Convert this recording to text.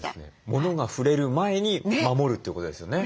ものが触れる前に守るってことですよね。